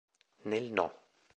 Nel No.